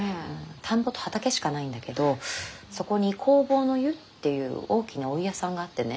田んぼと畑しかないんだけどそこに弘法湯っていう大きなお湯屋さんがあってね。